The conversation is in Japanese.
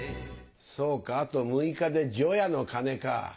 そうかあと６日で除夜の鐘か。